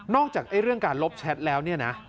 นอกจากเรื่องการลบแชทแล้ว